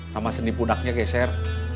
sama seni punaknya geser